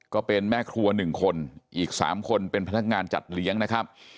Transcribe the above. ก็เป็นแม่ครัว๑คนอีก๓คนเป็นพนักงานจัดเลี้ยงนะครับ